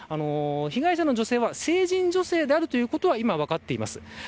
被害者の女性は成人女性であることは今、分かっています。